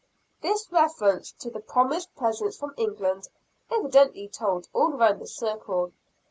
This reference to the promised presents from England, evidently told all around the circle.